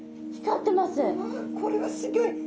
うわこれはすギョい。